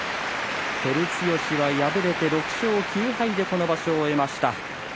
照強は敗れて６勝９敗で今場所を終えました。